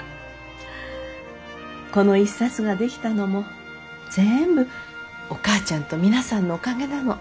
この一冊が出来たのも全部お母ちゃんと皆さんのおかげなの。